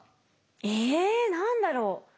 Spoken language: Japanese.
え何だろう？